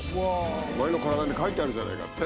お前の体に描いてあるじゃないかって？